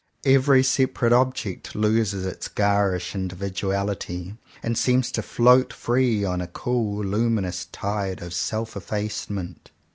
Every separate object loses its garish individuality, and seems to float free on a cool, luminous tide of self efface ment.